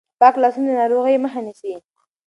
پاک لاسونه د ناروغیو مخه نیسي.